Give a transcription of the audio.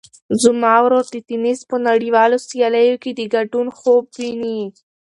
زما ورور د تېنس په نړیوالو سیالیو کې د ګډون خوب ویني.